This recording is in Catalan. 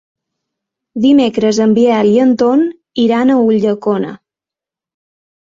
Dimecres en Biel i en Ton iran a Ulldecona.